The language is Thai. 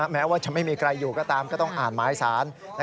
แม้ว่าจะไม่มีใครอยู่ก็ตามก็ต้องอ่านหมายสาร